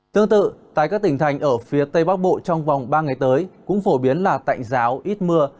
tương tự tại các tỉnh thành ở phía tây bắc bộ trong vòng ba ngày tới cũng phổ biến là tạnh giáo ít mưa